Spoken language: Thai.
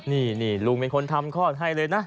นี่ลุงเป็นคนทำคลอดให้เลยนะ